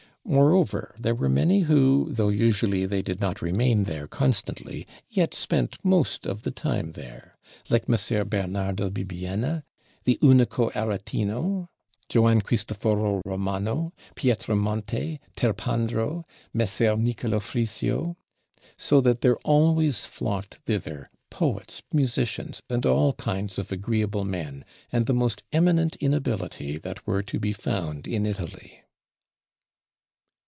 Moreover there were many who, though usually they did not remain there constantly, yet spent most of the time there; like Messer Bernardo Bibbiena, the Unico Aretino, Joan Cristoforo Romano, Pietro Monte, Terpandro, Messer Nicolo Frisio; so that there always flocked thither poets, musicians, and all kinds of agreeable men, and the most eminent in ability that were to be found in Italy.